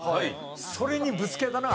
それにぶつけたのが。